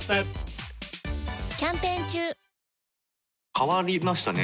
変わりましたね。